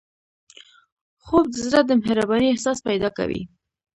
خوب د زړه د مهربانۍ احساس پیدا کوي